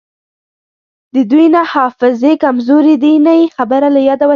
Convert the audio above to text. د دوی نه حافظې کمزورې دي نه یی خبره له یاده وتې